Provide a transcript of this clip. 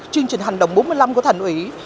chương trình hành động bốn mươi năm của thành ủy